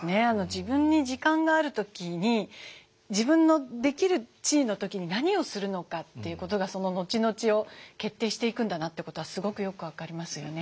自分に時間がある時に自分のできる地位の時に何をするのかっていうことがその後々を決定していくんだなってことがすごくよく分かりますよね。